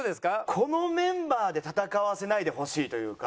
このメンバーで戦わせないでほしいというか。